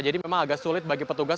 jadi memang agak sulit bagi petugas